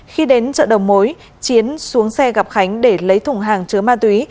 khi đến chợ đầu mối chiến xuống xe gặp khánh để lấy thùng hàng chứa ma túy